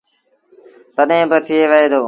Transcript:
تڏهيݩ با ٿئي وهي دو۔